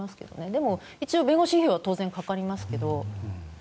でも、一応、弁護士費用は当然かかりますけど。